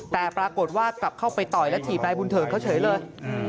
แต่ปรากฏว่ากลับเข้าไปต่อยและถีบนายบุญเถิดเขาเฉยเลย